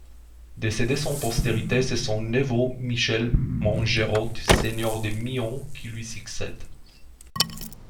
Décédé sans postérité c'est son neveu Michel Mangerod, seigneur de Myon, qui lui succède.